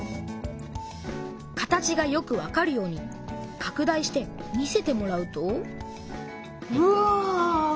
形がよくわかるようにかく大して見せてもらうとうわ！